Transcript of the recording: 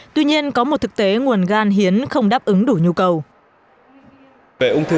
tuy nhiên có một thực tế nguồn gan hiến không đáp ứng đủ nhu cầu